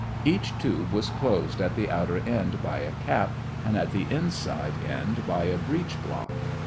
Each tube was closed at the outer end by a cap and at the inside end by a breech block.